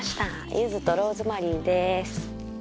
ユズとローズマリーです。